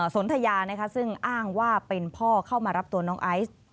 สนทยาซึ่งอ้างว่าเป็นพ่อเข้ามารับตัวน้องไอซ์